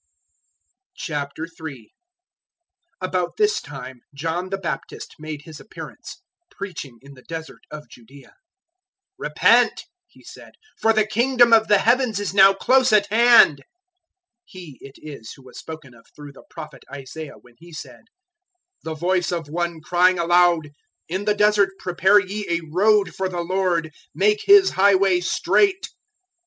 003:001 About this time John the Baptist made his appearance, preaching in the Desert of Judaea. 003:002 "Repent," he said, "for the Kingdom of the Heavens is now close at hand." 003:003 He it is who was spoken of through the Prophet Isaiah when he said, "The voice of one crying aloud, `In the desert prepare ye a road for the Lord: make His highway straight.'"